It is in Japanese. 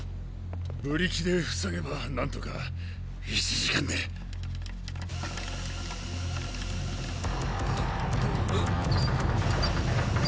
⁉ブリキで塞げば何とか１時間で。ッ！！